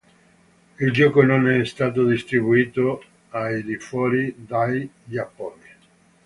Il gioco non è stato distribuito al di fuori dal Giappone.